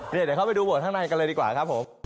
เดี๋ยวเข้าไปดูโหวตข้างในกันเลยดีกว่าครับผม